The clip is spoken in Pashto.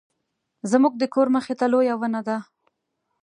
زموږ د کور مخې ته لویه ونه ده